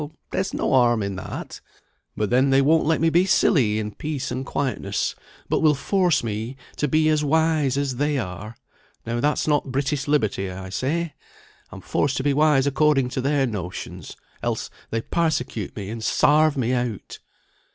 there's no harm in that. But then they won't let me be silly in peace and quietness, but will force me to be as wise as they are; now that's not British liberty, I say. I'm forced to be wise according to their notions, else they parsecute me, and sarve me out."